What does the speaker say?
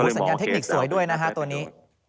สัญญาณเทคนิคสวยด้วยนะฮะตัวนี้